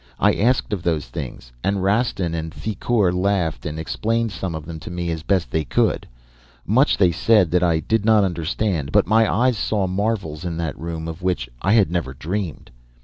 I asked of those things and Rastin and Thicourt laughed and explained some of them to me as best they could. Much they said that I did not understand but my eyes saw marvels in that room of which I had never dreamed.